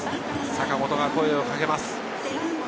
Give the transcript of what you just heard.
坂本が声をかけます。